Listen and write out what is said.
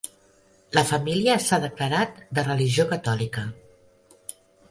La família s'ha declarat de religió catòlica.